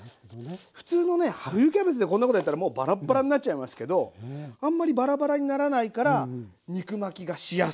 普通のね冬キャベツでこんなことやったらもうバラッバラになっちゃいますけどあんまりバラバラにならないから肉巻きがしやすい。